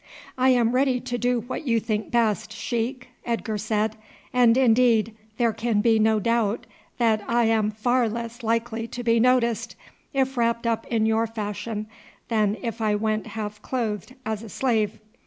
'" "I am ready to do what you think best, sheik," Edgar said, "and indeed there can be no doubt that I am far less likely to be noticed if wrapped up in your fashion than if I went half clothed as a slave."